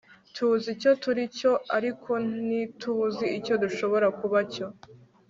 tuzi icyo turi cyo, ariko ntituzi icyo dushobora kuba cyo